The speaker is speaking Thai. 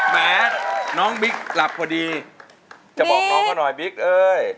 แม้น้องบิ๊กหลับพอดีจะบอกน้องเขาหน่อยบิ๊กเอ้ย